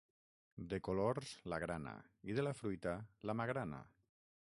De colors, la grana i de la fruita, la magrana.